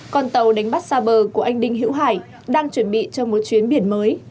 con tàu đánh bắt xa bờ của anh đinh hữu hải đang chuẩn bị cho một chuyến biển mới